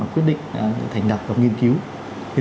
quyết định thành đặc tập nghiên cứu